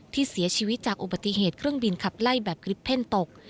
ที่เสียชีวิตจากอุบัติเหตุเครื่องบินขับไล่แบบคลิปเพ่นตก